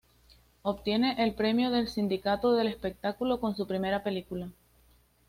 Obtiene el premio del Sindicato del Espectáculo con su primera película.